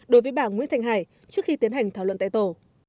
đối với bà nguyễn thành hải trước khi tiến hành thảo luận tại tổ